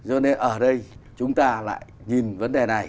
ở đây chúng ta lại nhìn vấn đề này